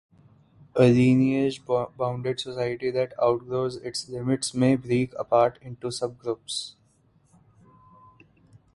A lineage-bonded society that outgrows its limits may break apart into subgroups.